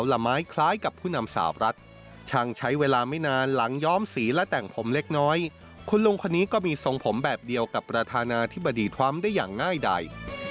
หลังใช้เวลาไม่นานหลังย้อมสีและแต่งผมเล็กน้อยคุณลุงคนนี้ก็มีส่งผมแบบเดียวกับประธานาธิบดีทรัมป์ได้อย่างง่ายใด